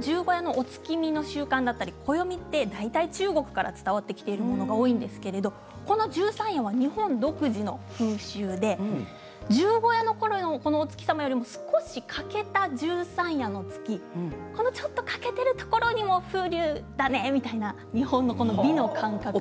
十五夜のお月見の習慣だったり暦は中国から伝わってくるものが多いんですけれど十三夜は日本独自の風習で十五夜のころのお月様よりも少し欠けた十三夜の月ちょっと欠けているところに風流だねという日本の美の感覚。